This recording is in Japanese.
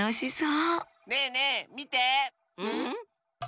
うん？